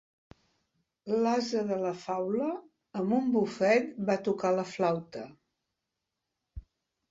L'ase de la faula amb un bufet va tocar la flauta.